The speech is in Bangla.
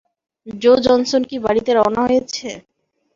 জো জনসন কি বাড়িতে রওনা হয়েছে?